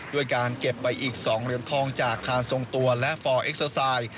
ด้วยการเก็บไปอีก๒เหรียญทองจากคานทรงตัวและฟอร์เอ็กเซอร์ไซด์